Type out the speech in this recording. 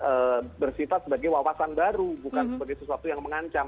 karena dengan bersifat sebagai wawasan baru bukan sebagai sesuatu yang mengancam